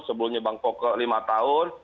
sebelumnya bang pokok lima tahun